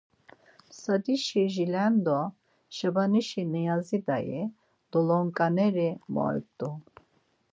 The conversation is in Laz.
Ptsadisi jilendo Şabaşi Niyazi dayi, dolonǩaneri moyt̆u.